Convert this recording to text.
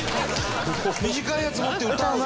「短いやつ持って歌うの？」